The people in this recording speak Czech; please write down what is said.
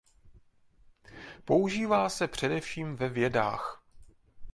Používá se především ve vědách.